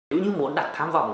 nếu như muốn đặt tham vọng